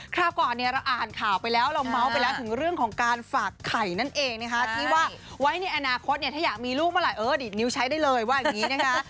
คราวก่อนเนี่ยเราอ่านข่าวไปแล้วเราเมาส์ไปแล้วถึงเรื่องของการฝากไข่นั่นเองนะคะที่ว่าไว้ในอนาคตเนี่ยถ้าอยากมีลูกเมื่อไหร่เออดีดนิ้วใช้ได้เลยว่าอย่างนี้นะคะ